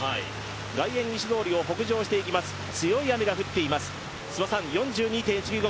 外苑西通りを北上していきます、強い雨が降っています。４２．１９５